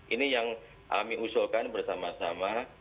ini yang kami usulkan bersama sama